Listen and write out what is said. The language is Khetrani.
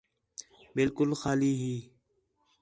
بالکل خالی ہی